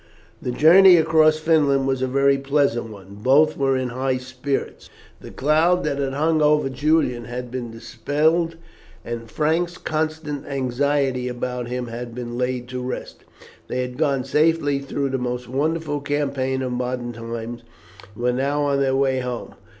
The journey across Finland was a very pleasant one. Both were in high spirits. The cloud that had hung over Julian had been dispelled, and Frank's constant anxiety about him had been laid to rest. They had gone safely through the most wonderful campaign of modern times, and were now on their way home.